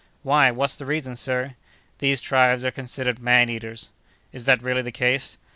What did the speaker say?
"Why, what's the reason, sir?" "These tribes are considered man eaters." "Is that really the case?"